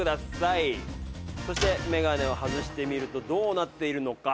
そしてメガネを外してみるとどうなっているのか？